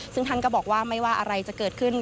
ซึ่งท่านก็บอกว่าไม่ว่าอะไรจะเกิดขึ้น